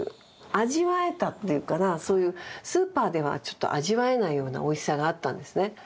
そういうスーパーではちょっと味わえないようなおいしさがあったんですね。